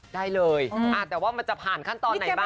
ได้เลยแต่ว่ามันจะผ่านขั้นตอนไหนบ้าง